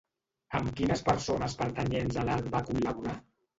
Amb quines persones pertanyents a l'art va col·laborar?